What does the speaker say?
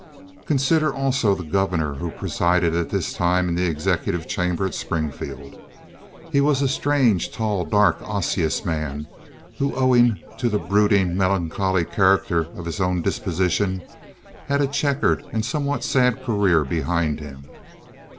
Consider also the governor who presided at this time in the executive chamber at Springfield. He was a strange, tall, dark, osseous man who, owing to the brooding, melancholy character of his own disposition, had a checkered and a somewhat sad career behind him.